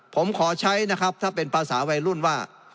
ผมขอใช้นะครับถ้าเป็นภาษาวัยรุ่นว่า